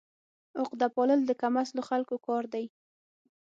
عقده پالل د کم اصلو خلکو کار دی.